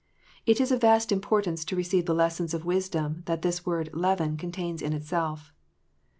It is of vast importance to receive the lessons of wisdom that this word "leaven" contains in itself.